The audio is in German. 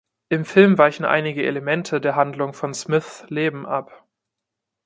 Im Film weichen einige Elemente der Handlung von Smiths Leben ab.